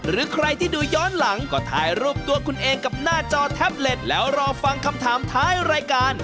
หรือใครที่ดูย้อนหลังก็ถ่ายรูปตัวคุณเองกับหน้าจอแท็บเล็ตแล้วรอฟังคำถามท้ายรายการ